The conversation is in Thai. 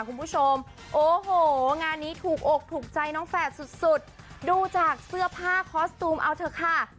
คุณผู้ชมโอ้โหงานนี้ถูกอกถูกใจน้องแฝดสุดสุดดูจากเสื้อผ้าคอสตูมเอาเถอะค่ะ